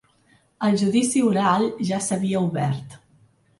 El judici oral ja s’havia obert.